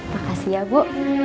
makasih ya bu